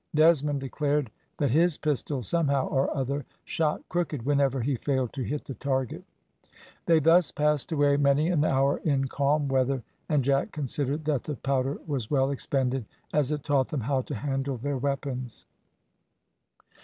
Desmond declared that his pistol somehow or other shot crooked whenever he failed to hit the target. They thus passed away many an hour in calm weather, and Jack considered that the powder was well expended, as it taught them how to handle their weapons.